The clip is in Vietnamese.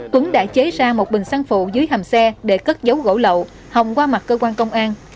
tuấn đã chế ra một bình xăng phụ dưới hầm xe để cất dấu gỗ lậu hồng qua mặt cơ quan công an